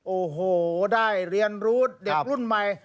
โอ้โหได้เรียนรู้เด็กรุ่นใหม่